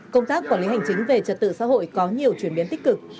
công tác quản lý hành chính về trật tự xã hội có nhiều chuyển biến tích cực